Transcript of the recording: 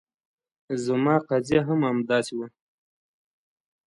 زما قضیه هم همداسې وه.